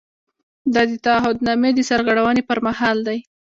دا د تعهد نامې د سرغړونې پر مهال دی.